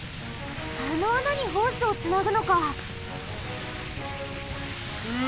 あのあなにホースをつなぐのか！